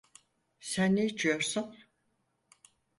Sen ne içiyorsun?